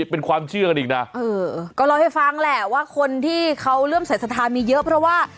เป็นความเชื่อกันอีกนะเออก็เล่าให้ฟังแหละว่าคนที่เขาเริ่มใส่สัทธามีเยอะเพราะว่า